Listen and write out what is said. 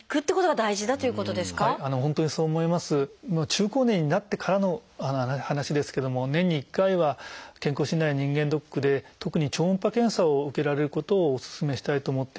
中高年になってからの話ですけども年に１回は健康診断や人間ドックで特に超音波検査を受けられることをお勧めしたいと思っています。